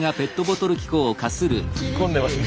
突っ込んでますね。